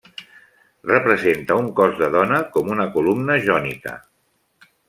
Representa un cos de dona com una columna jònica.